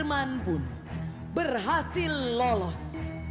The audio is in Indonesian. general sudirman pun berhasil lolos